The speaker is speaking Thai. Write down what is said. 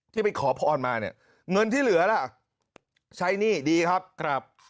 ไปขอพรมาเนี่ยเงินที่เหลือล่ะใช้หนี้ดีครับครับ